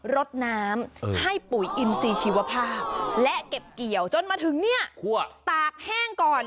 รดน้ำให้ปุ๋ยอินซีชีวภาพและเก็บเกี่ยวจนมาถึงเนี่ยตากแห้งก่อน